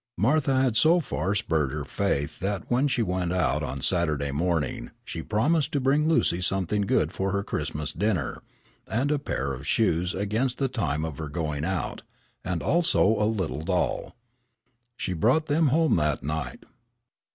Martha had so far spurred her faith that when she went out on Saturday morning she promised to bring Lucy something good for her Christmas dinner, and a pair of shoes against the time of her going out, and also a little doll. She brought them home that night.